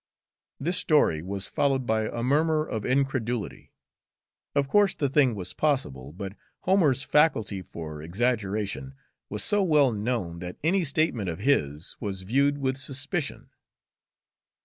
This story was followed by a murmur of incredulity of course, the thing was possible, but Homer's faculty for exaggeration was so well known that any statement of his was viewed with suspicion.